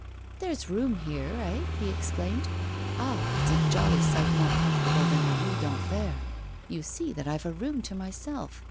'There's room here, eh?' he exclaimed. 'Ah! it's a jolly sight more comfortable than the Rue d'Enfer. You see that I've a room to myself.